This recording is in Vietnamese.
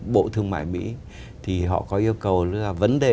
bộ thương mại mỹ thì họ có yêu cầu vấn đề